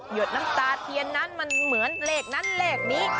ดน้ำตาเทียนนั้นมันเหมือนเลขนั้นเลขนี้